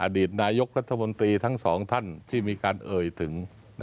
อดีตนายกรัฐมนตรีทั้งสองท่านที่มีการเอ่ยถึง